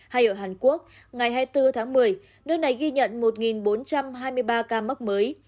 hay ở hàn quốc ngày hai mươi bốn tháng một mươi nước này ghi nhận một bốn trăm hai mươi ba ca mắc mới